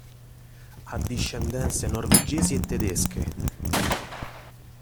Ha discendenze norvegesi e tedesche.